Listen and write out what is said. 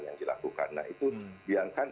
yang terjadi di tkn